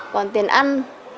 còn tiền ăn